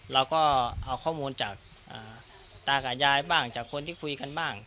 เราก็เอาข้อมูลจากตากับยายบ้างจากคนที่คุยกันบ้าง